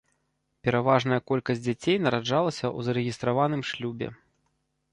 Пераважная колькасць дзяцей нараджалася ў зарэгістраваным шлюбе.